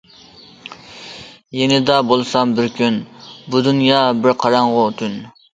يېنىدا بولمىسام بىر كۈن، بۇ دۇنيا بىر قاراڭغۇ تۈن.